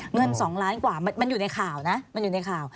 เงิน๒ล้านกว่ามันอยู่ในข่าวนะ